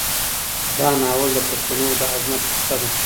دا ناول د پښتنو د عظمت کیسه ده.